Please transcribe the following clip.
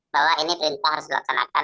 bahwa ini perintah harus dilaksanakan